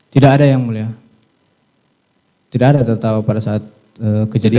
tidak ada yang mulia tidak ada tertawa pada saat kejadian